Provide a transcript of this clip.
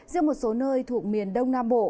riêng một số nơi thuộc miền đông nam bộ